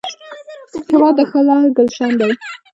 هېواد د ښکلا ګلشن دی.